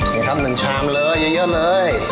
นี่ครับ๑ชามเลยเยอะเลย